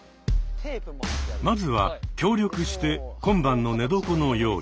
まずは協力して今晩の寝床の用意。